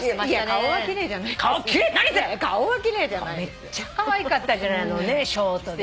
めっちゃかわいかったじゃないのショートでね。